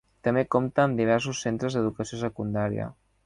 També compta amb diversos centres d'educació secundària.